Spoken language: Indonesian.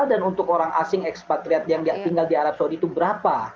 dan untuk orang asing ekspatriat yang tinggal di arab saudi itu berapa